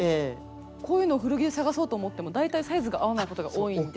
こういうのを古着で探そうと思っても大体サイズが合わないことが多いんで。